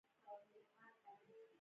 احمدشاه بیرته خپل وطن ته ستون شو.